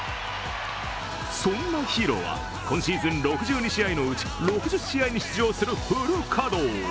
そんなヒーローは今シーズン６２試合のうち６０試合に出場するフル稼働。